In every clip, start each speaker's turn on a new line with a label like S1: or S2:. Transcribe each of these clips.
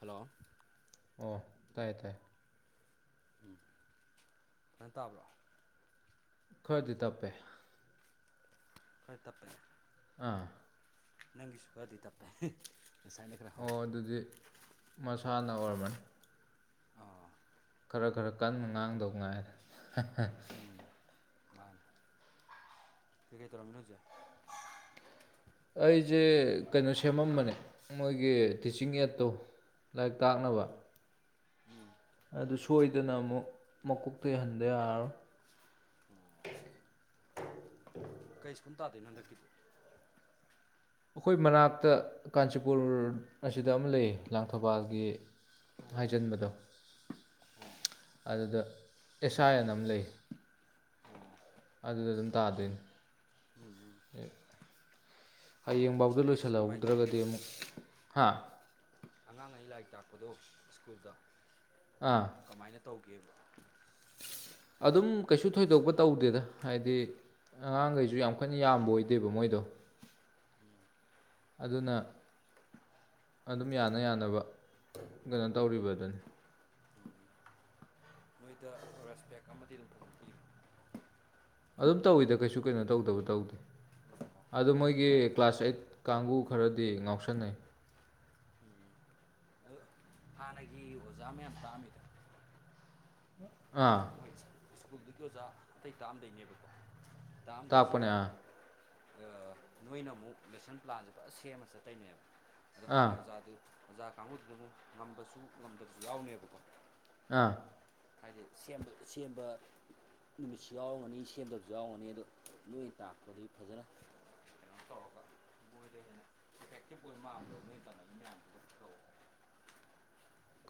S1: hello
S2: ꯑꯣ ꯇꯥꯏꯌꯦ ꯇꯥꯏꯌꯦ
S1: ꯎꯝ ꯐꯃꯥꯏꯅ ꯇꯥꯕ꯭ꯔꯣ
S2: ꯈꯔꯗꯤ ꯇꯞꯄꯦ
S1: ꯍꯣꯏ ꯇꯦ
S2: ꯑꯥ
S1: ꯅꯪ ꯁꯨꯕꯥꯗꯤ ꯇꯄꯦ
S2: ꯑꯣ ꯑꯗꯨꯗꯤ ꯃꯁꯥꯅ ꯑꯣꯏꯔꯝꯃꯅꯤ
S1: ꯑꯥ
S2: ꯈꯔ ꯈꯔ ꯀꯟꯅ ꯉꯥꯡꯗꯧ ꯉꯥꯏꯔꯦ
S1: ꯎꯝ ꯃꯥꯅꯦ ꯀꯩꯀꯩ ꯇꯔꯃꯤꯅꯖ
S2: ꯑꯩꯁꯦ ꯀꯩꯅꯣ ꯁꯦꯝꯃꯝꯕꯅꯦ ꯃꯣꯏꯒꯤ ꯇꯤꯆꯤꯡ ꯑꯦꯠꯇꯣ ꯂꯥꯏꯔꯤꯛ ꯇꯥꯛꯅꯕ
S1: ꯎꯝ ꯎꯝ
S2: ꯑꯗꯨ ꯁꯣꯏꯗꯅ ꯑꯃꯨꯛ ꯃꯀꯣꯛꯇꯩ ꯍꯟꯗ ꯌꯥꯔꯣꯏ
S1: ꯑꯣ ꯀꯩ ꯁꯀꯨꯝ ꯇꯥꯗꯣꯏꯅꯣ ꯍꯟꯗꯛꯀꯤꯗꯤ
S2: ꯑꯩꯈꯣꯏ ꯃꯅꯥꯛꯇ ꯀꯥꯟꯆꯤꯄꯨꯔ ꯑꯁꯤꯗ ꯑꯃ ꯂꯩ ꯂꯥꯡꯊꯧꯕꯥꯜꯒꯤ
S1: ꯑꯣ
S2: ꯍꯥꯏꯖꯤꯟꯕꯗꯣ
S1: ꯑꯣ
S2: ꯑꯗꯨꯗ ꯑꯦꯁꯥꯏ ꯑꯟ ꯑꯃ ꯂꯩ
S1: ꯑꯣ
S2: ꯑꯗꯨꯗ ꯑꯗꯨꯝ
S1: ꯎꯝ
S2: ꯇꯥꯗꯣꯏꯅꯤ
S1: ꯎꯝ ꯎꯝ
S2: ꯍꯌꯦꯡꯕꯎꯗ
S1: ꯑꯦꯛꯁꯄꯤꯔꯦꯟꯁꯇꯤ ꯀꯃꯥꯏꯅ ꯇꯧꯒꯦꯕ
S2: ꯂꯣꯏꯁꯤꯜꯍꯧꯗ꯭ꯔꯒꯗꯤ ꯑꯃꯨꯛ ꯍꯥ
S1: ꯑꯉꯥꯡ ꯑꯅꯤ ꯂꯥꯏꯔꯤꯛ ꯇꯥꯛꯄꯗꯣ ꯁ꯭ꯀꯨꯜꯗ ꯑꯗꯨ
S2: ꯑꯥ
S1: ꯀꯃꯥꯏꯅ ꯇꯧꯒꯦꯕ
S2: ꯑꯗꯨꯝ ꯀꯩꯁꯨ ꯊꯣꯏꯗꯣꯛꯄ ꯇꯧꯗꯦꯗ ꯍꯥꯏꯗꯤ ꯑꯉꯥꯡꯈꯩꯁꯨ ꯌꯥꯝ ꯀꯟꯅ ꯌꯥꯝꯕ ꯑꯣꯏꯗꯦꯕ ꯃꯣꯏꯗꯣ
S1: ꯑꯣ
S2: ꯑꯗꯨꯅ ꯑꯗꯨꯝ ꯌꯥꯅ ꯌꯥꯅꯕ
S1: ꯑꯣ
S2: ꯀꯩꯅꯣ ꯇꯧꯔꯤꯕ ꯑꯗꯨꯅꯤ
S1: ꯎꯝ ꯅꯣꯏꯗ ꯔꯦꯁꯄꯦꯛ ꯑꯃꯗꯤ ꯂꯊꯄꯤꯤꯌꯨ
S2: ꯑꯗꯨꯝ ꯇꯧꯋꯤꯗ ꯀꯩꯁꯨ ꯀꯩꯅꯣ ꯇꯧꯗꯕ ꯇꯧꯗꯦ
S1: ꯄꯤꯕ
S2: ꯑꯗꯨ ꯃꯣꯏꯒꯤ
S1: ꯂꯥꯏ
S2: ꯀ꯭ꯂꯥꯁ ꯑꯩꯠ ꯀꯥꯡꯕꯨ ꯈꯔꯗꯤ ꯉꯥꯎꯁꯟꯅꯩ
S1: ꯎꯝ ꯑꯗꯨ ꯍꯥꯟꯅꯒꯤ ꯑꯣꯖꯥ ꯃꯌꯥꯝ ꯇꯥꯛꯑꯝꯃꯤꯗ
S2: ꯑꯥ
S1: ꯃꯣꯏ ꯁ꯭ꯀꯨꯜꯗꯨꯒꯤ ꯑꯣꯖꯥ ꯑꯇꯩ ꯇꯥꯛꯑꯝꯗꯩꯅꯦꯕꯀꯣ
S2: ꯇꯥꯛꯄꯅꯦ
S1: ꯇꯥꯛꯑꯝꯗꯩꯁꯤꯗ
S2: ꯑꯥ
S1: ꯅꯣꯏꯅ ꯑꯃꯨꯛ ꯂꯦꯁꯟ ꯄ꯭ꯂꯥꯟꯁꯦ ꯁꯦꯝꯃ ꯆꯠꯇꯣꯏꯅꯦꯕ ꯑꯗꯣ
S2: ꯑꯥ
S1: ꯍꯥꯟꯅ ꯑꯣꯖꯥꯗꯨ ꯑꯣꯖꯥ ꯀꯥꯡꯕꯨꯗꯨꯗ ꯑꯃꯨ ꯉꯝꯕꯁꯨ ꯉꯝꯗꯕꯁꯨ ꯌꯥꯎꯅꯦꯕꯀꯣ
S2: ꯑꯥ
S1: ꯍꯥꯏꯗꯤ ꯁꯦꯝꯕ ꯁꯦꯝꯕ ꯅꯨꯃꯤꯠꯁꯨ ꯌꯥꯎꯔꯝꯒꯅꯤ ꯁꯦꯝꯗꯕꯁꯨ ꯌꯥꯎꯔꯝꯅꯤ ꯑꯗꯣ ꯂꯣꯏ ꯇꯥꯛꯄꯗꯒꯤ ꯐꯖꯅ ꯑꯩꯅꯣꯛꯇ ꯍꯒ ꯣꯏꯗ ꯍꯦꯟꯅ ꯏꯐꯦꯛꯇꯤꯚ ꯑꯣꯏ ꯃꯥꯡꯥꯟꯕꯗꯣ ꯅꯣꯏ ꯇ ꯃꯗ꯭ꯔꯑꯣ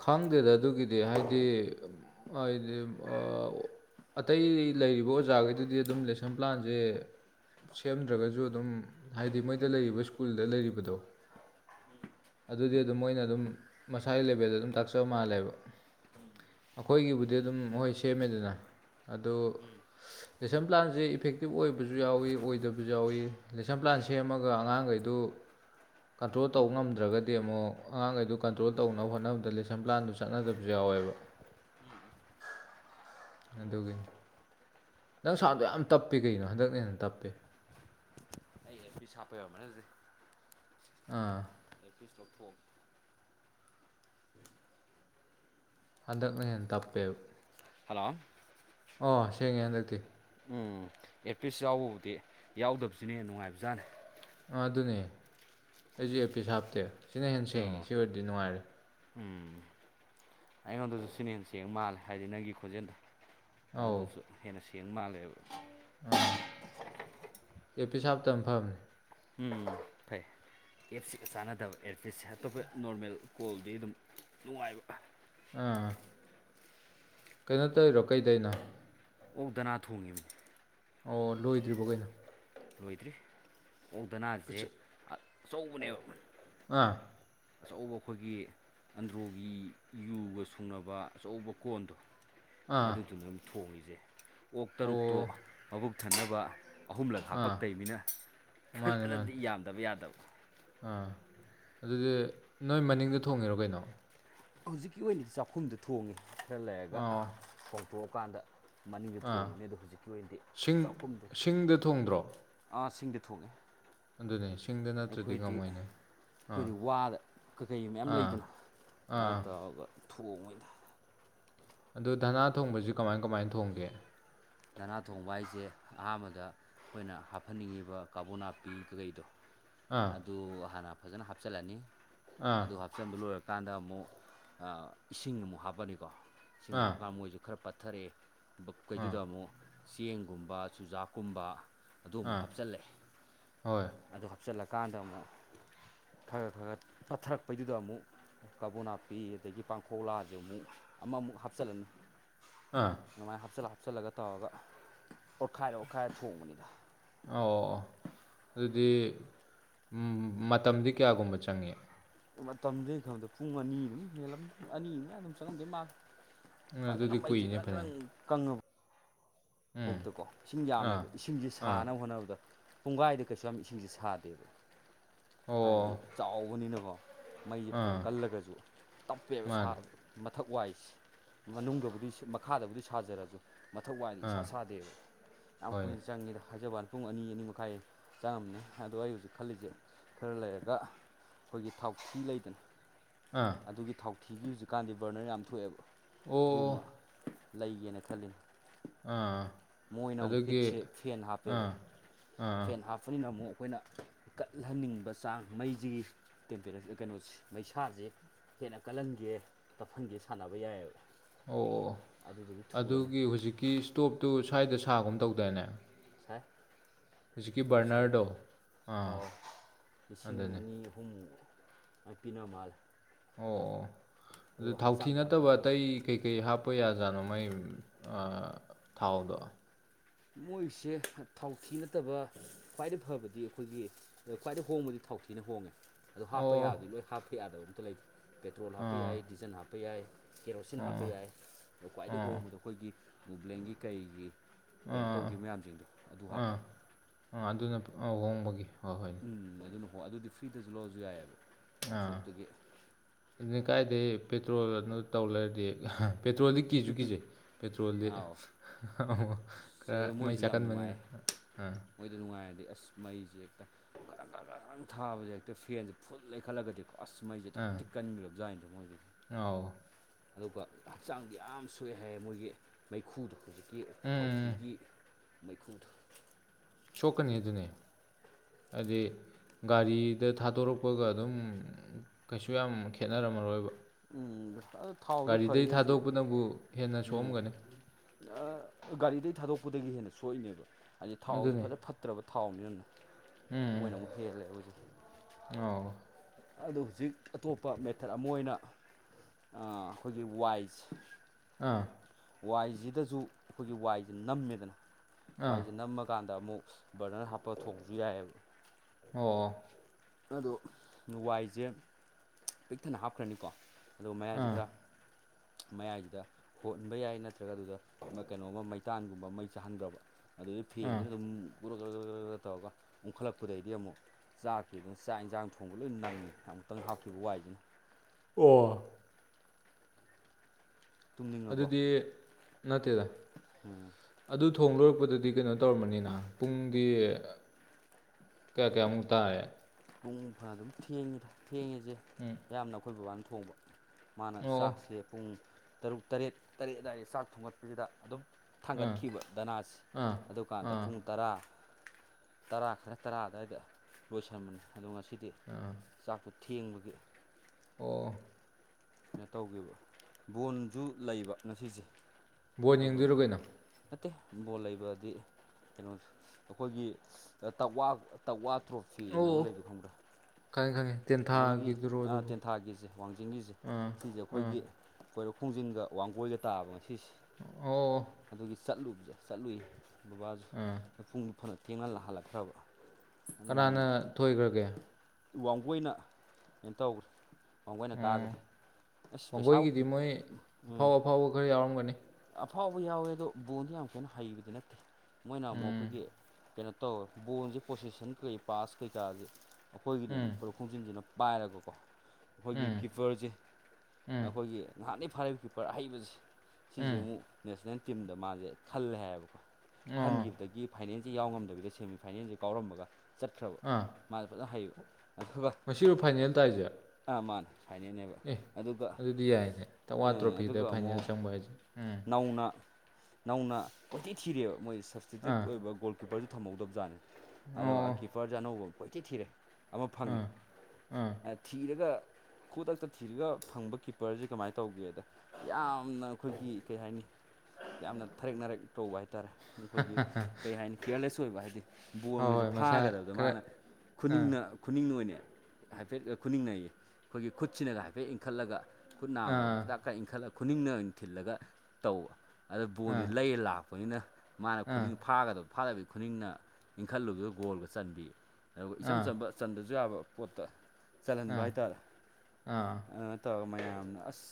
S2: ꯈꯪꯗꯦꯗ ꯑꯗꯨꯒꯤꯗꯤ ꯍꯥꯏꯗꯤ ꯍꯥꯏꯗꯤ ꯑꯇꯩ ꯂꯩꯔꯤꯕ ꯑꯣꯖꯥꯈꯩꯗꯨꯗꯤ ꯑꯗꯨꯝ ꯂꯦꯁꯟ ꯄ꯭ꯂꯥꯟꯁꯦ ꯁꯦꯝꯗ꯭ꯔꯒꯁꯨ ꯑꯗꯨꯝ ꯍꯥꯏꯗꯤ ꯃꯣꯏꯗ ꯂꯩꯔꯤꯕ ꯁ꯭ꯀꯨꯜꯗ ꯂꯩꯔꯤꯕꯗꯣ ꯑꯗꯨꯗꯤ ꯑꯗꯨꯝ ꯃꯣꯏꯅ ꯑꯗꯨꯝ ꯃꯁꯥꯒꯤ ꯂꯦꯚꯦꯜꯗ ꯑꯗꯨꯝ ꯇꯥꯛꯆꯕ ꯃꯥꯜꯂꯦꯕ
S1: ꯎꯝ
S2: ꯑꯩꯈꯣꯏꯒꯤꯕꯨꯗꯤ ꯑꯗꯨꯝ ꯍꯣꯏ ꯁꯦꯝꯃꯦꯗꯅ ꯑꯗꯨ
S1: ꯎꯝ
S2: ꯂꯁꯝ ꯄ꯭ꯂꯥꯟꯁꯦ ꯏꯐꯦꯛꯇꯤꯞ ꯑꯣꯏꯕꯁꯨ ꯌꯥꯎꯏꯤ ꯑꯣꯏꯗꯕꯁꯨ ꯌꯥꯎꯏ ꯂꯩꯦꯁꯝ ꯄ꯭ꯂꯥꯟ ꯁꯦꯝꯃꯒ ꯑꯉꯥꯡ ꯑꯉꯥꯡꯈꯩꯗꯨ ꯀꯟꯇ꯭ꯔꯣꯜ ꯇꯧꯕ ꯉꯝꯗ꯭ꯔꯒꯗꯤ ꯑꯃꯨꯛ ꯑꯉꯥꯡꯈꯩꯗꯨ ꯀꯟꯇ꯭ꯔꯣꯜ ꯇꯧꯅꯕ ꯍꯣꯠꯅꯕ ꯑꯗ ꯂꯦꯁꯟ ꯄ꯭ꯂꯥꯟꯗꯨ ꯆꯠꯅꯗꯕꯁꯨ ꯌꯥꯎꯋꯦꯕ
S1: ꯎꯝ ꯎꯝ
S2: ꯑꯗꯨꯗꯨꯒꯤ ꯅꯪ ꯁꯥꯗꯣ ꯌꯥꯝ ꯇꯞꯄꯄꯤ ꯀꯒꯤꯩꯅꯣ ꯍꯟꯗꯛꯅꯦ ꯍꯦꯟꯅ ꯇꯞꯄꯦ
S1: ꯑꯩ ꯁꯥꯄꯦ ꯃꯅꯦ ꯑꯗꯨꯗꯤ
S2: ꯑꯥ
S1: ꯑꯦꯠꯄꯤꯁꯣꯛꯊꯣꯣꯡ
S2: ꯍꯟꯗꯛꯅ ꯍꯦꯟꯅ ꯇꯞꯄꯦꯕ
S1: ꯍꯜꯂꯣ
S2: ꯑꯣ ꯁꯦꯡꯉꯦ ꯍꯟꯗꯛꯇꯤ
S1: ꯎꯝ ꯑꯦꯠꯄꯤꯁ ꯌꯥꯎꯕꯕꯨꯗꯤ ꯌꯥꯎꯗꯕꯁꯤꯅꯦ ꯅꯨꯡꯉꯥꯏꯕꯖꯥꯠꯅꯦ
S2: ꯥ ꯑꯗꯨꯅꯦ ꯑꯩꯁꯨ ꯑꯦꯄꯤꯤꯁ ꯍꯥꯞꯇꯦ ꯁꯤꯅ ꯍꯦꯟꯅ ꯁꯦꯡꯉꯤ
S1: ꯑꯣ
S2: ꯁꯤ ꯑꯣꯏꯔꯗꯤ ꯅꯨꯡꯉꯥꯏꯔꯦ
S1: ꯎꯝ ꯑꯩꯉꯣꯟꯗꯁꯨ ꯁꯤꯅ ꯍꯦꯟꯅ ꯆꯦꯡ ꯃꯥꯜꯂꯦ ꯍꯥꯏꯗꯤ ꯅꯪꯒꯤ ꯈꯣꯟꯖꯦꯜꯗꯣ
S2: ꯑꯧ
S1: ꯑꯗꯨꯁꯨ ꯍꯦꯟꯅ ꯁꯤ ꯆꯦꯡ ꯃꯥꯜꯂꯦꯕ
S2: ꯑꯥ ꯑꯦꯄꯤꯁꯞꯇꯅ ꯐꯕꯅꯦ
S1: ꯎꯝ ꯐꯩ ꯑꯦꯠꯁꯤꯒ ꯆꯥꯟꯅꯗꯕ ꯑꯦꯔꯐꯤꯠꯁꯦ ꯑꯇꯣꯞꯄ ꯅꯣꯔꯃꯦꯜ ꯀꯣꯜꯗꯤ ꯑꯗꯨꯝ ꯅꯨꯡꯉꯥꯏꯕ
S2: ꯑꯥ ꯀꯩꯅꯣ ꯇꯧꯔꯣ ꯀꯩꯗꯩꯅꯣ
S1: ꯑꯣ ꯗꯅ ꯊꯣꯡꯉꯤꯕꯅꯤ
S2: ꯑꯣ ꯂꯣꯏꯗ꯭ꯔꯤꯕꯩꯅꯣ
S1: ꯂꯣꯏꯗ꯭ꯔꯤ ꯑꯣ ꯗꯅꯥꯁꯦ ꯑꯆꯧꯕꯅꯦꯕ
S2: ꯑꯥ
S1: ꯑꯆꯧꯕ ꯑꯩꯈꯣꯏꯒꯤ ꯑꯟꯗ꯭ꯔꯣꯒꯤ ꯌꯨꯒ ꯁꯨꯡꯅꯕ ꯑꯆꯧꯕ ꯀꯣꯟꯗꯣ
S2: ꯑꯥ
S1: ꯑꯗꯨꯗꯨꯅ ꯑꯗꯨꯝ ꯊꯣꯡꯉꯁꯦ ꯑꯣꯛ
S2: ꯑꯣ
S1: ꯇꯔꯨꯛꯇꯣ ꯃꯕꯨꯛ ꯊꯟꯅꯕ
S2: ꯑꯥ
S1: ꯄꯛꯇꯩꯅꯤꯅ
S2: ꯃꯥꯅꯦ ꯃꯥꯅꯦ
S1: ꯐꯖꯅꯗꯤ ꯌꯥꯝꯗꯕ ꯌꯥꯗꯕ
S2: ꯑꯥ ꯑꯗꯨꯗꯤ ꯅꯣꯏ ꯃꯅꯤꯡꯗ ꯊꯣꯡꯉꯤꯔꯣ ꯀꯩꯅꯣ
S1: ꯍꯧꯖꯤꯛꯀꯤ ꯑꯣꯏꯅꯗꯤ ꯆꯥꯛꯈꯨꯝꯗ ꯊꯣꯡꯉꯦ ꯈꯔ ꯂꯩꯔꯒ
S2: ꯑꯣ
S1: ꯍꯣꯡꯊꯣꯛꯑꯀꯥꯟꯗ ꯃꯅꯤꯡꯗ
S2: ꯑꯥ
S1: ꯊꯣꯡꯕꯅꯤ ꯑ ꯑꯗꯨꯣ ꯍꯧꯖꯤꯛꯀꯤ ꯑꯣꯏꯅꯗꯤ
S2: ꯁꯤꯡ
S1: ꯆꯥꯎꯥꯛꯈꯨꯝꯗꯦ
S2: ꯁꯤꯡꯗ
S1: ꯑ ꯁꯤꯡꯗ ꯊꯣꯛꯣꯡꯉꯦ
S2: ꯗꯅꯦꯁ
S1: ꯑꯩꯈꯣꯏꯗꯤ ꯑꯩꯈꯣꯏꯗꯤ ꯋꯥꯗ ꯀꯩꯀꯩ ꯃꯌꯥꯝ
S2: ꯑꯥ
S1: ꯂꯩꯗꯅ ꯑꯥ ꯇꯧꯔꯒ ꯊꯣꯡꯉꯣꯏꯅꯦ
S2: ꯑꯗꯨ ꯙꯅꯥ ꯊꯣꯡꯕꯁꯤ ꯀꯃꯥꯏ ꯀꯃꯥꯏ ꯊꯣꯡꯒꯦ
S1: ꯅꯅꯥ ꯊꯣꯡꯕ ꯍꯥꯏꯁꯦ ꯑꯍꯥꯟꯕꯗ ꯑꯩꯈꯣꯏꯅ ꯍꯥꯞꯍꯟꯅꯤꯡꯉꯤꯕ ꯀꯥꯕꯨ ꯅꯥꯄꯤ ꯀꯩꯀꯩꯗꯣ
S2: ꯑꯥ
S1: ꯑꯗꯨ ꯍꯥꯟꯅ ꯐꯖꯅ ꯍꯥꯞꯆꯤꯜꯂꯅꯤ
S2: ꯑꯥ
S1: ꯑꯗꯨ ꯍꯥꯞꯆꯤꯟꯕ ꯂꯣꯏꯔꯛ ꯀꯥꯟꯗ ꯑꯃꯨꯛ ꯏꯁꯤꯡ ꯑꯃꯨꯛ ꯍꯥꯞꯄꯅꯤꯀꯣ ꯏꯁꯤꯡ
S2: ꯑꯥ
S1: ꯍꯥꯞꯄꯀꯥꯟꯗ ꯃꯣꯏꯁꯨ ꯈꯔ ꯄꯠꯊꯔꯛꯑꯦ
S2: ꯑꯥ
S1: ꯀꯩꯗꯨꯗ ꯑꯃꯨꯛ ꯆꯦꯡꯒꯨꯝꯕ ꯆꯨꯖꯥꯛꯀꯨꯝꯕ ꯑꯗꯨ ꯑꯃꯨꯛ
S2: ꯑꯥ
S1: ꯍꯥꯞꯆꯤꯜꯂꯦ
S2: ꯍꯣꯏ
S1: ꯑꯗꯨ ꯍꯥꯞꯆꯤꯜꯂꯀꯥꯟꯗ ꯑꯃꯨꯛ ꯈꯔ ꯈ ꯈ ꯆꯠꯊꯔꯛꯄꯩꯗꯨꯗ ꯑꯃꯨꯛ ꯀꯕꯨ ꯅꯥꯄꯤ ꯑꯗꯒꯤ ꯄꯥꯡꯈꯧꯂꯥꯥꯁꯦ ꯑꯃꯨꯛ ꯑꯃꯃꯨꯛ ꯍꯥꯞꯆꯤꯜꯂꯅꯤ
S2: ꯑꯥ
S1: ꯑꯗꯨꯃꯥꯏꯅ ꯍꯥꯞꯆꯤꯜꯂ ꯍꯥꯞꯆꯤꯜꯂꯒ ꯇꯧꯔꯒ ꯑꯣꯠꯈꯥꯏꯔ ꯑꯣꯠꯈꯥꯏꯔ ꯊꯣꯡꯕꯅꯤꯗ
S2: ꯑꯣ ꯑꯗꯨꯗꯤ ꯃꯇꯝꯗꯤ ꯀꯌꯥꯒꯨꯝꯕ ꯆꯪꯏꯦ
S1: ꯃꯇꯝꯗꯒꯤꯩ ꯈꯪꯗ ꯄꯨꯡ ꯑꯅꯤꯃ ꯍꯦꯜꯂꯝ ꯑꯅꯤ ꯑꯗꯨꯝ ꯆꯪꯉꯂꯝꯗꯦ ꯃꯥ
S2: ꯎꯝ,
S1: ꯐꯖꯅ
S2: ꯑꯗꯨꯗꯤ
S1: ꯃꯩꯁꯤ
S2: ꯀꯨꯏꯅꯦ
S1: ꯈ ꯈꯪ
S2: ꯐꯅꯌꯥꯝ
S1: ꯀꯪꯉꯕ
S2: ꯎꯝ
S1: ꯀꯣꯛꯇꯀꯣ ꯏꯁꯤꯡ
S2: ꯑꯥ
S1: ꯌꯥꯝꯃꯦꯕ ꯏꯁꯤꯡꯁꯦ
S2: ꯑꯥ
S1: ꯁꯥꯅꯕ ꯍꯣꯠꯅꯕꯗ ꯄꯨꯡꯈꯥꯏꯗ ꯀꯩꯁꯨ ꯌꯥꯝ ꯏꯁꯤꯡꯁꯦ ꯁꯥꯗꯦꯕ
S2: ꯑꯣ ꯑꯣ
S1: ꯍꯥꯏꯗꯤ ꯆꯥꯎꯕꯅꯤꯅꯀꯣ ꯃꯩꯁꯦ ꯐꯅꯕ
S2: ꯑꯥ
S1: ꯀꯜꯂꯒꯁꯨ ꯇꯞꯄꯦꯕ
S2: ꯃꯥꯅꯦ
S1: ꯁꯥꯕ ꯃꯊꯛ ꯋꯥꯏꯁ ꯃꯅꯨꯡꯗꯕꯨꯗꯤ ꯃꯈꯥꯗꯕꯨꯗꯤ ꯁꯥꯖꯔꯁꯨ ꯃꯊꯛ ꯋꯥꯏꯗꯤ
S2: ꯑꯥ
S1: ꯏꯁꯥ ꯁꯥꯗꯦꯕ ꯌꯥꯝ
S2: ꯍꯣꯏꯅꯦ
S1: ꯀꯨꯏꯅ ꯆꯪꯉꯤꯗ ꯍꯥꯏꯖꯕꯅꯤ ꯄꯨꯡ ꯑꯅꯤ ꯑꯅꯤ ꯃꯈꯥꯏ ꯆꯪꯉꯝꯅꯦ ꯑꯗꯣ ꯑꯩ ꯍꯧꯖꯤꯛ ꯈꯜꯂꯤꯁꯦ ꯈꯔ ꯂꯩꯔꯒ ꯑꯩꯈꯣꯏꯒꯤ ꯊꯥꯎꯊꯤ ꯂꯩꯗꯅ
S2: ꯑꯥ
S1: ꯑꯗꯨꯒꯤ ꯊꯥꯎꯊꯤꯒꯤ ꯍꯧꯖꯤꯛꯀꯥꯟꯗꯤ ꯕꯔꯅꯔ ꯌꯥꯝ ꯊꯣꯛꯑꯦꯕ ꯑꯗꯨꯃ
S2: ꯑꯣ
S1: ꯂꯩꯒꯦꯅ ꯈꯜꯂꯤ
S2: ꯑꯥ
S1: ꯃꯣꯏꯅ ꯑꯃꯨꯛ
S2: ꯑꯗꯨꯒꯤ
S1: ꯍꯤꯠꯁꯦ ꯐꯦꯟ
S2: ꯑꯥ ꯑꯥ
S1: ꯍꯥꯞꯄꯦꯕ
S2: ꯑꯥ
S1: ꯐꯦꯟ ꯍꯥꯞꯄꯅꯤꯅ ꯑꯃꯨꯛ ꯑꯩꯈꯣꯏꯅ ꯀꯠꯍꯟꯅꯤꯡꯕ ꯆꯥꯡ ꯃꯩꯁꯤꯒꯤꯄ ꯀꯩꯅꯣꯁ ꯃꯩꯁꯥꯁꯦ ꯍꯦꯟꯅ ꯀꯜꯍꯟꯒꯦ ꯇꯞꯍꯟꯒꯦ ꯁꯥꯟꯅꯕ ꯌꯥꯏꯑꯕ
S2: ꯑꯣ ꯑꯣ
S1: ꯑꯗꯨꯗꯨꯒꯤ ꯊꯨꯔꯅꯤ
S2: ꯑꯗꯨꯒꯤ ꯍꯧꯖꯤꯛꯀꯤ ꯏꯁꯇꯣꯞꯇꯨ ꯁ꯭ꯋꯥꯏꯗ ꯁꯥꯒꯨꯝ ꯇꯧꯗꯅꯦ
S1: ꯁ ꯌꯥꯝꯁꯥꯏ
S2: ꯑꯥ
S1: ꯂꯤꯁꯤꯡ
S2: ꯑꯗꯨꯅꯦ
S1: ꯑꯅꯤ ꯑꯍꯨꯝꯛ ꯄꯤꯅꯣ ꯃꯥꯜ
S2: ꯑꯣ ꯑꯣ ꯑꯗꯨ ꯊꯥꯎꯊꯤ
S1: ꯌꯥꯝ
S2: ꯅꯠꯇꯕ
S1: ꯐꯠꯇꯕ
S2: ꯑꯇꯩ ꯀꯩꯀꯩ ꯍꯥꯞꯄ ꯌꯥꯖꯥꯠꯅꯣ ꯃꯥꯏ ꯊꯥꯎꯗꯣ
S1: ꯃꯣꯏꯁꯦ ꯊꯥꯎꯊꯤ ꯅꯠꯇꯕ ꯈ꯭ꯋꯥꯏꯗꯩ ꯐꯕꯗꯤ ꯑꯩꯈꯣꯏꯒꯤ ꯈ꯭ꯋꯥꯏꯗꯩ ꯍꯣꯡꯕꯗꯤ ꯊꯥꯎꯊꯤꯅ ꯍꯣꯡꯉꯦ ꯑꯗꯣ
S2: ꯑꯣ
S1: ꯍꯥꯞꯄ ꯌꯥꯕꯗꯤ ꯂꯣꯏ ꯍꯥꯞꯄ ꯌꯥꯗꯕ ꯑꯝꯇ ꯂꯩꯇꯦ ꯄꯦꯇ꯭ꯔꯣꯜ ꯍꯥꯞꯄ
S2: ꯑꯥ
S1: ꯌꯥꯏ ꯗꯤꯖꯟ ꯍꯥꯞꯄ ꯌꯥꯏ ꯀꯦꯔꯣꯁꯤꯟ ꯍꯥꯞꯄ
S2: ꯑꯣ
S1: ꯌꯥꯏ ꯑꯗ ꯈ꯭ꯋꯥꯏꯗꯒꯤ
S2: ꯑꯣ
S1: ꯍꯣꯡꯕꯗ ꯑꯩꯈꯣꯏꯒꯤ ꯃꯨꯕ꯭ꯂꯦꯟꯒꯤ ꯀꯩꯒꯤ ꯀꯩꯅꯣ
S2: ꯑꯥ
S1: ꯇꯧꯈꯤꯕ ꯃꯌꯥꯝꯁꯤꯡꯗꯣ ꯑꯗꯨ ꯍꯥꯞꯄ
S2: ꯑꯥ ꯑꯥ ꯑꯗꯨꯅ ꯑꯍꯣꯡꯕꯒꯤ ꯍꯣꯏ ꯍꯣꯏꯅꯦ
S1: ꯎꯝ ꯑꯗꯨꯅ ꯍꯣ ꯑꯗꯨꯗꯤ ꯐ꯭ꯔꯤꯗꯁꯨ ꯂꯧꯔꯁꯨ ꯌꯥꯏꯑꯕ
S2: ꯑꯥ
S1: ꯋꯥꯛꯁꯣꯞꯇꯒꯤ
S2: ꯑꯗꯨꯅ ꯀꯥꯏꯗꯒꯤꯩ ꯄꯦꯇ꯭ꯔꯣꯜ ꯑꯅꯣ ꯇꯧ ꯂꯩꯔꯗꯤ ꯄꯦꯇ꯭ꯔꯣꯜꯗꯤ ꯀꯤꯁꯨ ꯀꯤꯁꯦ ꯄꯦꯇ꯭ꯔꯣꯜꯗꯤ
S1: ꯑꯥꯎ
S2: ꯑ
S1: ꯑꯁ
S2: ꯈꯔ
S1: ꯑꯗꯣ
S2: ꯃꯩ
S1: ꯃꯣꯏꯗꯣ ꯌꯥꯝ
S2: ꯆꯥꯛꯀꯟꯕꯅꯤꯅ
S1: ꯅꯨꯡꯉꯥꯏ
S2: ꯑꯥ
S1: ꯃꯣꯏꯗꯣ ꯅꯨꯡꯉꯥꯏꯔꯗꯤ ꯑꯁ ꯃꯩꯁꯦ ꯍꯦꯛꯇ ꯀꯔꯪ ꯀꯪ ꯊꯥꯕꯁꯦ ꯍꯦꯛꯇ ꯐꯦꯟꯁꯦ ꯐꯨꯜ ꯂꯩꯈꯠꯂꯒꯗꯤ ꯑꯁ ꯃꯩꯁꯦ ꯑꯗꯨꯛꯀꯤ
S2: ꯑꯥ
S1: ꯃꯇꯤꯛ ꯀꯟꯈ꯭ꯔꯕꯖꯥꯅꯗꯣ ꯃꯣꯏꯗꯨꯗꯤ
S2: ꯑꯧ
S1: ꯑꯗꯨꯒ ꯍꯛꯆꯥꯡꯗꯤ ꯌꯥꯝ ꯁꯣꯛꯑꯦ ꯍꯥꯏꯌꯦ ꯃꯣꯏꯒꯤ ꯃꯩꯈꯨꯗꯣ ꯍꯧꯖꯤꯛꯀꯤ
S2: ꯎꯝ
S1: ꯊꯥꯎꯊꯤꯒꯤ ꯃꯩꯈꯨꯗ
S2: ꯁꯣꯛꯀꯅꯤ ꯑꯗꯨꯅꯦ ꯍꯥꯏꯗꯤ ꯒꯥꯔꯤꯗ ꯊꯥꯗꯣꯔꯛꯄꯒ ꯑꯗꯨꯝ ꯀꯩꯁꯨ ꯌꯥꯝ ꯈꯦꯠꯅꯔꯝꯃꯔꯣꯏꯕ
S1: ꯎꯝ ꯑꯗꯨ ꯊꯥꯎꯁꯨ
S2: ꯒꯥꯔꯤꯗꯒꯤ
S1: ꯐꯔꯤꯉꯩꯁꯨ
S2: ꯊꯥꯗꯣꯛꯄꯅꯕꯨ ꯍꯦꯟꯅ
S1: ꯎꯝ
S2: ꯁꯣꯛꯑꯝꯒꯅꯤ
S1: ꯒꯥꯔꯤꯗꯒꯤꯩ ꯊꯥꯗꯣꯛꯄꯗꯒꯤ ꯍꯦꯟꯅ ꯁꯣꯛꯏꯅꯦꯕ ꯍꯥꯏꯗꯤ ꯊꯥꯎꯁꯨ
S2: ꯑꯗꯨꯅꯦ
S1: ꯐꯖ ꯐꯠꯇ꯭ꯔꯕ ꯊꯥꯎꯅꯤꯅꯅ ꯃꯣꯏꯅ ꯑꯃꯨꯛ ꯍꯦꯜꯂꯦ ꯍꯧꯁꯛ
S2: ꯑ
S1: ꯑꯗꯣ ꯍꯧꯖꯤꯛ ꯑꯇꯣꯞꯄ ꯃꯦꯊꯠ ꯑꯃ ꯑꯣꯏꯅ ꯑꯩꯈꯣꯏꯒꯤ ꯋꯥꯏꯁ
S2: ꯑꯥ
S1: ꯋꯥꯏꯁꯤꯗꯁꯨ ꯑꯩꯈꯣꯏꯒꯤ ꯋꯥꯏꯁꯦ ꯅꯝꯃꯦꯗꯅ
S2: ꯑꯥ
S1: ꯋꯥꯏꯁꯦ ꯅꯝꯃꯀꯥꯟꯗ ꯑꯃꯨꯛ ꯕꯔꯗꯟ ꯍꯥꯞꯄ ꯊꯣꯛꯁꯨ ꯌꯥꯏꯑꯕ
S2: ꯑꯣ ꯑꯣ
S1: ꯑꯗꯣ ꯅꯋꯥꯏꯁꯦ ꯄꯤꯛꯊꯅ ꯍꯥꯞꯈ꯭ꯔꯅꯤꯀꯣ ꯑꯗꯨꯒ ꯃꯌꯥꯏꯁꯤ
S2: ꯑꯥ
S1: ꯈꯔ ꯃꯌꯥꯏꯁꯤꯗ ꯍꯣꯟꯕ ꯌꯥꯏ ꯅꯠꯇꯦ ꯅꯠꯇ꯭ꯔꯒ ꯑꯗꯨꯗ ꯃ ꯀꯩꯅꯣꯝꯃ ꯃꯩꯇꯥꯟꯒꯨꯝꯕ ꯃꯩ ꯆꯥꯍꯟꯈ꯭ꯔꯕ ꯑꯗꯨꯩ
S2: ꯑꯥ
S1: ꯐꯦꯟꯁꯤꯅ ꯑꯗꯨꯝ ꯎꯔꯛ ꯎꯥ ꯇꯧꯔꯒ ꯑꯃꯨꯛꯠꯂꯛꯄꯗꯩꯗꯤ ꯑꯃꯨꯛ ꯆꯥꯛ ꯀꯗꯅ ꯆꯥꯛ ꯌꯦꯟꯁꯥꯡ ꯊꯣꯡꯕ ꯂꯣꯏ ꯅꯪꯉꯤ ꯑꯃꯨꯛꯇꯪ ꯍꯥꯞꯈꯤꯕ ꯋꯥꯏꯗꯨꯅ
S2: ꯑꯣ
S1: ꯇꯨꯝꯅꯤꯡꯉꯕꯣ
S2: ꯑꯗꯨꯗꯤ ꯅꯠꯇꯦꯗ ꯑꯗꯨ ꯊꯣꯡ ꯂꯣꯏꯔꯛꯄꯗꯗꯤ ꯀꯩꯅꯣ ꯇꯧꯔꯝꯕꯅꯤꯅ ꯄꯨꯡꯗꯤ ꯀꯌꯥ ꯀꯌꯥꯃꯨꯛ ꯇꯥꯏꯌꯦꯦ
S1: ꯅꯣꯡ ꯐꯅ ꯑꯗꯨꯝ ꯊꯦꯡꯉꯤꯗ ꯊꯦꯡꯉꯤꯁꯦ ꯌꯥꯝꯅ ꯑꯩꯈꯣꯏ ꯕꯕꯥꯅ ꯊꯣꯡꯕ ꯃꯥꯅ ꯆꯥꯛꯁꯦ
S2: ꯑꯣ
S1: ꯄꯨꯡ ꯇꯔꯨꯛ ꯇꯔꯦꯠ ꯇꯔꯦꯠ ꯑꯗꯨꯋꯥꯏꯗ ꯆꯥꯛ ꯊꯣꯡꯒꯠꯄꯁꯤꯗ ꯑꯗꯨꯝ
S2: ꯑꯣ ꯑꯥ
S1: ꯊꯥꯡꯒꯠꯈꯤꯕ ꯗꯅꯥꯁ
S2: ꯑꯥ
S1: ꯑꯗꯨꯀꯥꯟꯗ
S2: ꯑꯥ
S1: ꯄꯨꯡ ꯇꯔꯥ ꯇꯔꯥ ꯈꯔ ꯇꯔꯥ ꯑꯗꯨꯋꯥꯏꯗ ꯂꯣꯏꯁꯟꯕꯅꯤ ꯑꯗꯣ ꯉꯁꯤꯗꯤ
S2: ꯑꯥ
S1: ꯆꯥꯛꯄꯨ ꯊꯡ ꯂ
S2: ꯑꯣ
S1: ꯀꯩꯅ ꯇꯧꯦꯈꯤꯕ ꯕꯣꯟꯁꯨ ꯂꯩꯕ ꯉꯁꯤꯁꯦ
S2: ꯕꯣ ꯌꯦꯡꯗꯣꯏꯔꯣ ꯀꯩꯅꯣ
S1: ꯐꯠꯇꯦ ꯕꯣꯜ ꯂꯩꯕꯗꯤ ꯀꯩꯅꯣ ꯑꯩꯈꯣꯏꯒꯤ ꯇꯛꯋꯥꯛ ꯇꯛꯋꯥꯛ ꯇ꯭ꯔꯣꯐꯤ ꯑꯅ ꯑꯃ
S2: ꯑꯣ
S1: ꯂꯩꯕ ꯈꯪꯕ꯭ꯔꯥ
S2: ꯈꯪꯉꯦ ꯈꯪꯉꯦ
S1: ꯑꯗꯨꯒꯤ
S2: ꯇꯦꯟꯊꯥꯒꯤꯗꯨꯔꯣ ꯑꯗꯨꯕꯨ
S1: ꯇꯦꯟꯊꯥꯒꯤꯁꯦ ꯋꯥꯡꯖꯤꯡꯒꯤꯁꯦ
S2: ꯑꯥ
S1: ꯁꯤꯁꯦ
S2: ꯑꯥ
S1: ꯑꯩꯈꯣꯏꯒꯤ ꯀꯣꯏꯔꯣꯛ ꯈꯣꯡꯖꯤꯟꯒ ꯋꯥꯡꯒꯣꯏꯒ ꯇꯥꯕ ꯉꯁꯤꯁꯦ
S2: ꯑꯣ ꯑꯣ
S1: ꯑꯗꯨꯒꯤ ꯆꯠꯂꯨꯕꯁꯦ ꯆꯠꯂꯨꯏ ꯕꯕꯥꯁꯨ
S2: ꯑꯥ
S1: ꯄꯨꯡꯗꯨ ꯐꯅ ꯊꯦꯡꯍꯜꯂ ꯍꯜꯂꯛꯈ꯭ꯔꯕ ꯅꯪ
S2: ꯀꯅꯥꯅ ꯊꯣꯏꯈ꯭ꯔꯒꯦ
S1: ꯋꯥꯡꯒꯣꯏꯅ ꯀꯩꯅ ꯇꯧꯈ꯭ꯔꯦ ꯃꯥꯡꯒꯣꯏꯅ ꯇꯥꯈ꯭ꯔꯦ
S2: ꯎꯝ
S1: ꯑꯁ ꯄꯩꯁꯥ
S2: ꯋꯥꯡꯒꯣꯏꯒꯤꯗꯤ ꯃꯣꯏ
S1: ꯎꯝ
S2: ꯑꯐꯥꯎ ꯑꯐꯥꯎꯕ ꯈꯔ ꯌꯥꯎꯔꯝꯒꯅꯤ
S1: ꯑꯐꯥꯎꯕ ꯌꯥꯎꯋꯦ ꯑꯗꯣ ꯕꯣꯟꯗꯤ ꯌꯥꯝ ꯀꯦꯟꯅ ꯍꯩꯕꯗꯤ ꯅꯠꯇꯦ ꯃꯣꯏꯅ ꯑꯃꯨꯛ
S2: ꯎꯝ
S1: ꯑꯩꯈꯣꯏꯒꯤ ꯀꯩꯅꯣ ꯇꯧꯋꯦ ꯕꯣꯟꯁꯦ ꯄ꯭ꯔꯣꯁꯦꯁꯟ ꯀꯩ ꯄꯥꯁ ꯀꯩꯀꯥꯁꯦ ꯑꯩꯈꯣꯏꯒꯤꯅ
S2: ꯎꯝ
S1: ꯑꯗꯨꯝ ꯄꯨꯔꯛ ꯈꯣꯡꯝꯖꯤꯟꯁꯤꯅ ꯄꯥꯏꯔꯒꯀꯣ ꯑꯩꯈꯣꯏꯒꯤ
S2: ꯎꯝ
S1: ꯀꯤꯞꯄꯔꯁꯦ
S2: ꯎꯝ
S1: ꯑꯩꯈꯣꯏꯒꯤ ꯅꯍꯥꯛꯅꯤ ꯐꯔꯞ ꯀꯤꯞꯄꯔ ꯑꯍꯩꯕꯁꯦ ꯁꯤꯁꯦ
S2: ꯎꯝ
S1: ꯑꯃꯨꯛ ꯅꯦꯁꯅꯦꯜ ꯇꯤꯝꯗ ꯃꯥꯁꯦ ꯈꯜꯂꯦ ꯍꯥꯏꯌꯦꯕꯀꯣ
S2: ꯑꯣ
S1: ꯈꯟꯈꯤꯕꯗꯒꯤ ꯐꯥꯏꯅꯦꯜꯁꯦ ꯌꯥꯎ ꯉꯝꯗꯕꯤꯗ ꯁꯦꯃꯤ ꯐꯥꯏꯅꯦꯜꯁꯦ ꯀꯥꯎꯔꯝꯃꯒ ꯆꯠꯈ꯭ꯔꯕ
S2: ꯑꯥ
S1: ꯃꯥꯁ ꯐꯖꯅ ꯍꯥꯏꯩꯌꯨ
S2: ꯉꯁꯤꯔꯣ ꯐꯥꯏꯅꯦꯜ ꯇꯥꯏꯁꯦ
S1: ꯍꯥꯏꯅꯅꯦꯕ
S2: ꯑꯦ
S1: ꯑꯗꯨꯒ
S2: ꯑꯗꯨꯗꯤ ꯌꯥꯏꯅꯦ ꯇꯛꯋꯥ ꯇ꯭ꯔꯣꯐꯤꯗ
S1: ꯑꯗꯨꯒ
S2: ꯐꯥꯏꯅꯦꯜ
S1: ꯑꯃꯨꯛ
S2: ꯆꯪꯕ ꯍꯥꯏꯁꯦ ꯎꯝ
S1: ꯅꯧꯅ ꯅꯧꯅ ꯑꯣꯏꯊꯤ ꯊꯤꯔꯦꯑꯕ ꯃꯣꯏ ꯁꯞꯁꯇꯦꯛꯇꯦꯠ
S2: ꯑꯥ
S1: ꯑꯣꯏꯕ ꯒꯣꯜ ꯀꯤꯄꯔꯁꯨ ꯊꯍꯧꯗꯕꯖꯥꯠꯅꯤ ꯑꯗꯨꯒ
S2: ꯑꯣ
S1: ꯀꯤꯄꯔꯁ ꯑꯅꯧꯕ ꯄꯣꯏꯊꯤ ꯊꯤꯔꯦ ꯑꯃ ꯐꯪꯉꯤ
S2: ꯑꯥ ꯑꯥ
S1: ꯊꯤꯔꯒ ꯈꯨꯗꯛꯇ ꯊꯤꯔꯒ ꯐꯪꯕ ꯀꯤꯞꯄꯔꯁꯦ ꯀꯃꯥꯏꯅ ꯇꯧꯒꯦꯗ ꯌꯥꯝꯅ ꯑꯩꯈꯣꯏꯒꯤ ꯀꯩ ꯍꯥꯏꯅꯤ ꯌꯥꯝꯅ ꯊꯔꯦꯛ ꯔꯦꯛ ꯇꯧꯕ ꯍꯥꯏꯇꯥꯔꯦ ꯑꯩꯈꯣꯏꯒꯤ ꯀꯩ ꯍꯥꯏꯅꯤ ꯀꯤꯌꯔꯂꯦꯁ ꯑꯁꯣꯏꯕ ꯍꯥꯏꯗꯤ
S2: ꯍꯣꯏ
S1: ꯕꯣꯣꯟꯒꯁꯨꯦ
S2: ꯍꯣꯏ ꯃꯁꯥ
S1: ꯐꯥꯒꯗꯕꯗ
S2: ꯈꯔ
S1: ꯃꯥꯅ
S2: ꯑꯥ
S1: ꯈꯨꯅꯤꯡꯅ ꯈꯨꯅꯤꯡꯅ ꯑꯣꯏꯅ ꯍꯥꯏꯐꯦꯠꯀ ꯈꯨꯅꯤꯡꯅꯩꯌꯦ ꯑꯩꯈꯣꯏꯒꯤ ꯈꯨꯠꯁꯤꯅꯒ ꯍꯥꯏꯐꯦꯠ ꯏꯟꯈꯠꯂꯒ ꯈꯨꯠ ꯅꯥꯝ
S2: ꯑꯥ
S1: ꯍꯤꯗꯥꯛ ꯀꯔ ꯏꯟꯈꯠꯂꯒ ꯈꯨꯅꯤꯡꯅ ꯑꯣꯏꯅ ꯊꯤꯜꯂꯒ ꯇꯧꯕ ꯑꯗꯨꯗ
S2: ꯑꯥ
S1: ꯕꯣꯟꯗꯨ ꯂꯩꯔ ꯂꯥꯛꯄ ꯑꯩꯈꯣꯏꯅ ꯃꯥꯅ
S2: ꯑꯥ ꯑꯥ
S1: ꯈꯨꯅꯤꯡ ꯐꯥꯒꯗꯕ ꯐꯥꯗꯕꯤꯒꯤ ꯈꯨꯅꯤꯡꯅ ꯏꯟꯈꯠꯂꯨꯕꯗ ꯒꯣꯜꯒ ꯆꯟꯕꯤ ꯑꯗꯨꯒ ꯏꯆꯝ
S2: ꯑꯥ
S1: ꯆꯝꯕ ꯆꯟꯗꯁꯨ ꯌꯥꯕ ꯄꯣꯠꯇ ꯆꯜꯍꯟꯕ
S2: ꯑꯥ
S1: ꯍꯥꯏꯇꯥꯔꯦ
S2: ꯑꯥ
S1: ꯑꯗꯨ ꯅꯠꯇꯧꯔꯒ ꯃꯌꯥꯝꯅ ꯑꯁ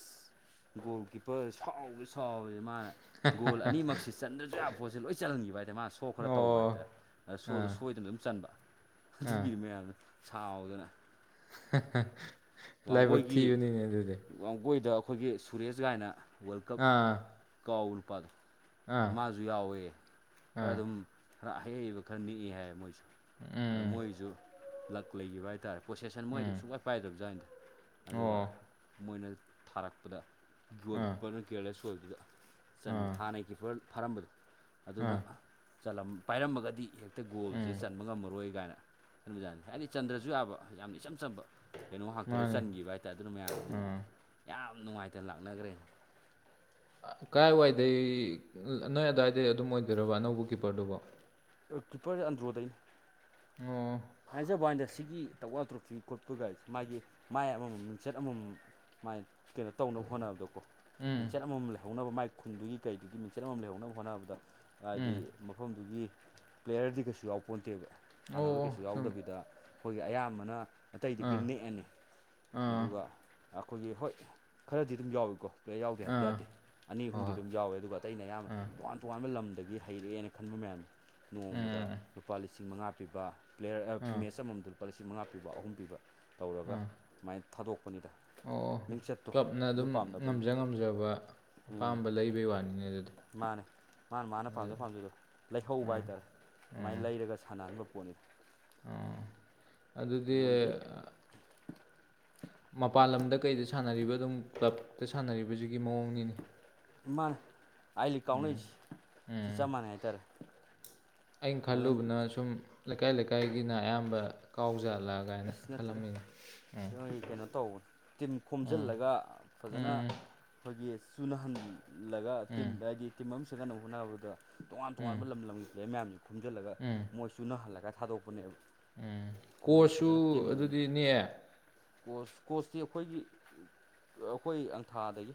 S1: ꯒꯣꯜ ꯀꯤꯞ ꯄꯨ ꯁꯥꯎꯕ ꯁꯥꯎꯁꯦ ꯃꯥꯅ ꯒꯣꯜ ꯑꯅꯤꯃꯛꯁꯤ ꯆꯟꯗ꯭ꯔꯁꯨ ꯌꯥꯕ ꯄꯣꯠꯁꯦ ꯂꯣꯏ ꯆꯜꯍꯟꯈꯤꯕ ꯍꯥꯏ ꯑ ꯃꯥ ꯁꯣ ꯈꯔ ꯇꯧꯕ ꯍꯥꯏꯇꯥꯔꯦ
S2: ꯑꯣ
S1: ꯁꯣꯗꯣ
S2: ꯑꯥ
S1: ꯁꯣꯏꯗꯅ ꯑꯗꯨꯝ ꯆꯟꯕ
S2: ꯑꯥ
S1: ꯑꯗꯨꯒꯤꯗꯤ ꯃꯌꯥꯝꯗ ꯁꯥꯎꯗꯅ
S2: ꯂꯥꯏꯕꯛ
S1: ꯋꯥꯡꯒꯣꯏꯒꯤ
S2: ꯊꯤꯕꯅꯤꯅꯦ ꯑꯗꯨꯗꯤ
S1: ꯋꯥꯡꯒꯣꯏꯗ ꯑꯩꯈꯣꯏꯒꯤ ꯁꯨꯔꯦꯁ ꯒꯥꯏꯅ ꯋꯥꯔꯜ ꯀꯞ
S2: ꯑꯥ
S1: ꯀꯥꯎ ꯂꯨꯄꯥꯗꯣ
S2: ꯑꯥ
S1: ꯃꯥꯁꯨ ꯌꯥꯎꯋꯦ ꯈꯔ
S2: ꯑꯥ
S1: ꯑꯗꯨꯝ ꯈꯔ ꯑꯩꯕ ꯈꯔ ꯅꯅꯤꯛꯑ ꯍꯥꯏ ꯃꯣꯏꯁꯨꯦ ꯑ
S2: ꯎꯝ
S1: ꯃꯣꯏꯁꯨ ꯂꯛ ꯂꯩꯈꯤꯕ ꯍꯥꯏꯇꯥꯥꯔꯦ ꯄ꯭ꯔꯣꯁꯦꯁꯟ ꯃꯣꯏꯗ ꯑꯗꯨꯝ
S2: ꯎꯝ
S1: ꯁꯨꯡꯀꯥꯏ ꯄꯥꯏꯗꯕꯖꯥꯅꯗ
S2: ꯑꯣ
S1: ꯑꯗꯨꯒ ꯃꯣꯏꯅ ꯊꯥꯔꯛꯄꯗ ꯒꯣꯜ
S2: ꯑꯥ
S1: ꯀꯤꯞꯄꯔꯅ ꯀꯤꯌꯔꯂꯦꯁ ꯑꯣꯏꯕꯗꯨꯗ ꯆꯟꯕ
S2: ꯑꯥ
S1: ꯍꯥꯟꯅꯒꯤ ꯀꯤꯞꯄꯔ ꯐꯥꯔꯝꯕꯗꯣ ꯑꯗꯨꯅ
S2: ꯑꯥ
S1: ꯂꯝ ꯄꯥꯏꯔꯝꯃꯒꯗꯤ ꯍꯦꯛꯇ ꯒꯣꯜꯁꯦ
S2: ꯎꯝ
S1: ꯆꯟꯕ ꯉꯝꯃꯔꯣꯏ ꯀꯥꯏꯅ ꯃꯤꯗꯥꯅꯤ ꯍꯥꯏꯗꯤ ꯆꯟꯗ꯭ꯔꯁꯨ ꯌꯥꯕ ꯌꯥꯝ ꯏꯆꯝ ꯐꯆꯕ ꯀꯩꯅꯣ ꯉꯥꯛꯇꯗ
S2: ꯃꯥꯅꯦ
S1: ꯆꯟꯈꯤꯕ ꯍꯥꯏꯇꯥꯔꯦ ꯑꯗꯨꯅ ꯃꯌꯥꯝꯁꯤꯅ
S2: ꯑꯥ
S1: ꯌꯥꯝ ꯅꯨꯡꯉꯥꯏꯇꯅ ꯂꯥꯛꯅꯈ꯭ꯔꯦ
S2: ꯀꯥꯏꯋꯥꯏꯗ ꯅꯣꯏ ꯑꯗꯨꯋꯥꯏꯗꯩ ꯑꯗꯨꯝ ꯑꯣꯏꯗꯣꯏꯔꯕ ꯑꯅꯧꯕ ꯀꯤꯞꯄꯔꯗꯨꯕꯣ
S1: ꯀ꯭ꯔꯤꯄꯔ ꯑꯟꯗꯔꯣꯗ
S2: ꯑꯣ
S1: ꯍꯥꯏꯖꯕ ꯍꯥꯏꯗ ꯁꯤꯒꯤ ꯇꯧꯋꯥꯜ ꯇ꯭ꯔꯨꯛꯁꯤ ꯈꯣꯠꯄꯒꯒꯥꯁꯦ ꯃꯥꯒꯤ ꯃꯥꯏ ꯑꯃꯃꯝ ꯃꯤꯡꯆꯠ ꯑꯃꯃꯝ ꯃꯥꯏꯅ ꯀꯩꯅꯣ ꯇꯧꯅꯕ ꯍꯣꯠꯅꯕꯗꯣꯀꯣ
S2: ꯎꯝ
S1: ꯃꯤꯡꯆꯠ ꯑꯃꯃꯝ ꯂꯩꯍꯧꯅꯕ ꯃꯥꯏ ꯈꯨꯟꯗꯨꯒꯤ ꯀꯩꯗꯨꯒꯤ ꯃꯤꯡꯆꯠ ꯑꯃ ꯂꯩꯍꯧꯅꯕ ꯍꯣꯠꯅꯕꯗ ꯍꯥꯏꯗꯤ
S2: ꯎꯝ
S1: ꯃꯐꯝꯗꯨꯒꯤ ꯄ꯭ꯂꯦꯌꯔꯗꯤ ꯀꯩꯁꯨ ꯌꯥꯎꯄꯣꯟꯇꯦꯕ ꯁꯥꯟꯅꯔꯣꯏ
S2: ꯑꯣ
S1: ꯀꯩꯁꯨ
S2: ꯁꯨꯝ
S1: ꯌꯥꯎꯗꯕꯤꯗ ꯑꯩꯈꯣꯏꯒꯤ ꯑꯌꯥꯝꯕꯅ ꯑꯇꯩꯗꯒꯤ
S2: ꯑꯥ
S1: ꯅꯦꯛꯑꯅꯤ
S2: ꯑꯥ
S1: ꯑꯗꯨꯒ ꯑꯩꯈꯣꯏꯒꯤ ꯍꯣꯏ ꯈꯔꯗꯤ ꯑꯗꯨꯝ ꯌꯥꯎꯏꯀꯣ ꯄ꯭ꯂꯂꯦ ꯌꯥꯎꯗꯦ ꯍꯥꯏꯕꯗꯤ
S2: ꯑꯥ
S1: ꯌꯥꯗꯦ ꯑꯅꯤ ꯑꯍꯨꯝꯗꯤ
S2: ꯍꯣꯏ
S1: ꯑꯗꯨꯝ ꯌꯥꯎꯋꯦ ꯑꯗꯨꯒ ꯑꯇꯩ ꯑꯩꯅ ꯑꯌꯥꯝꯕ
S2: ꯍꯣꯏ
S1: ꯇꯣꯉꯥꯟ ꯇꯣꯉꯥꯟꯕ ꯂꯝꯗꯒꯤ ꯍꯩꯔꯛꯑꯦꯅ ꯈꯟꯕ ꯃꯌꯥꯝ ꯅꯣꯡꯃꯗ
S2: ꯑꯥ ꯑꯥ
S1: ꯂꯨꯄꯥ ꯂꯤꯁꯤꯡ ꯃꯉꯥ ꯄꯤꯕ ꯄ꯭ꯂꯦꯌꯔ
S2: ꯑꯥ
S1: ꯃꯦꯠꯆ ꯑꯃꯃꯝꯗꯨ ꯂꯨꯄꯥ ꯂꯤꯁꯤꯡ ꯃꯉꯥ ꯄꯤꯕ ꯑꯍꯨꯝ ꯄꯤꯕ ꯇꯧꯔꯒ
S2: ꯑꯥ
S1: ꯁꯨꯃꯥꯏꯅ ꯊꯥꯗꯣꯛꯄꯅꯤꯗ
S2: ꯑꯣ
S1: ꯃꯤꯡꯆꯠꯇꯣ
S2: ꯀ꯭ꯂꯞꯅ
S1: ꯑꯗꯨ
S2: ꯑꯗꯨꯝ
S1: ꯄꯥꯝꯅꯕꯩꯅꯤ
S2: ꯉꯝꯖ ꯉꯝꯖꯕ
S1: ꯎꯝ
S2: ꯑꯄꯥꯝꯕ ꯂꯩꯕꯩ ꯋꯥꯅꯤꯅꯦ ꯑꯗꯨꯗꯤ
S1: ꯃꯥꯅꯦ ꯃꯥꯅ ꯃꯥꯅ ꯄꯥꯝꯖꯕ
S2: ꯑꯗꯨ
S1: ꯄꯥꯝꯖꯩꯗꯣ ꯂꯩꯍꯧꯕ ꯍꯥꯏꯇꯥꯔꯦ ꯑꯗꯨꯃꯥꯏꯅ
S2: ꯎꯝ
S1: ꯂꯩꯔꯒ ꯁꯥꯟꯅꯍꯟꯕ ꯄꯣꯠꯅꯤꯗ
S2: ꯑꯣ ꯑꯗꯨꯗꯤ
S1: ꯕꯣꯜꯗꯤ
S2: ꯃꯄꯥꯟ ꯂꯝꯗ ꯀꯩꯗ ꯁꯥꯟꯅꯔꯤꯕ ꯑꯗꯨꯝ ꯀ꯭ꯂꯞꯇ ꯁꯥꯟꯅꯔꯤꯕꯁꯤꯒꯤ ꯃꯑꯣꯡꯅꯤꯅꯦ
S1: ꯃꯥꯟ ꯑꯥꯏꯗꯤ ꯀꯥꯎꯅꯩꯁꯤ
S2: ꯎꯝ
S1: ꯆꯞ ꯃꯥꯟꯅꯩ ꯍꯥꯏꯇꯥꯔꯦ
S2: ꯑꯩꯅ
S1: ꯑꯗꯨꯝ
S2: ꯈꯜꯂꯨꯕꯅ ꯁꯨꯝ ꯂꯩꯀꯥꯏ ꯂꯩꯀꯥꯏꯒꯤꯅ ꯑꯌꯥꯝꯕ ꯀꯥꯎꯖ
S1: ꯑꯁ ꯅꯠꯇꯦꯗ ꯅꯣꯏ ꯀꯩꯅꯣ ꯇꯧꯕꯅꯦ ꯇꯤꯝ
S2: ꯎꯝ
S1: ꯈꯣꯝꯖꯤꯜꯂꯒ ꯐꯖꯅ
S2: ꯎꯝ
S1: ꯑꯩꯈꯣꯏꯒꯤ ꯆꯨꯅꯍꯜꯂꯒ ꯇꯤꯝ
S2: ꯎꯝ
S1: ꯍꯥꯏꯗꯤ ꯇꯤꯝ ꯑꯃ ꯁꯦꯝꯒꯟꯅ ꯍꯣꯠꯅꯕꯗ ꯇꯣꯉꯥꯟ
S2: ꯎꯝ
S1: ꯇꯣꯉꯥꯟꯕ ꯂꯝ ꯂꯝꯒꯤ ꯄ꯭ꯂꯦꯌꯔ ꯃꯌꯥꯝꯁꯦ ꯈꯣꯝꯖꯤꯜꯂꯒ ꯃꯣꯏ ꯆꯨꯅꯍꯜꯂꯒ ꯊꯥꯗꯣꯛꯄꯅꯦꯕ
S2: ꯎꯝ
S1: ꯃꯣꯏꯁꯦ
S2: ꯀꯣꯁꯁꯨ ꯑꯗꯨꯗꯤ ꯅꯑ
S1: ꯀꯣꯁ ꯀꯣꯁꯇꯤ ꯑꯩꯈꯣꯏꯒꯤ ꯑꯩꯈꯣꯏ ꯑꯪꯊꯥꯗꯒꯤ